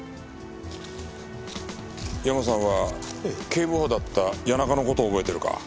ヤマさんは警部補だった谷中の事を覚えてるか？